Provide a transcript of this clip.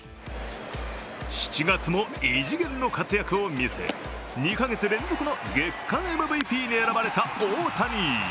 ７月も異次元の活躍を見せ２か月連続の月間ＭＶＰに選ばれた大谷。